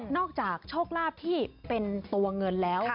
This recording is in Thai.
อกจากโชคลาภที่เป็นตัวเงินแล้ว